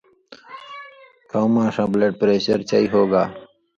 کؤں ماݜاں بلڈ پریشر چئی ہوگا